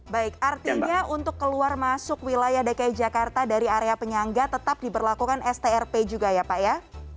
baik artinya untuk keluar masuk wilayah dki jakarta dari area penyangga tetap diberlakukan strp juga ya pak ya